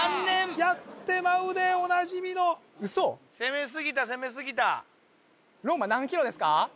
やってまうでおなじみのウソ攻めすぎた攻めすぎたローマ何ｋｍですか？